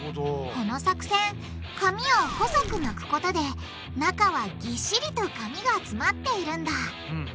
この作戦紙を細く巻くことで中はぎっしりと紙が詰まっているんだ。